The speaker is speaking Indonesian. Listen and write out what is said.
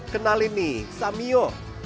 kenalin nih samio